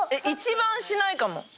一番しないかも。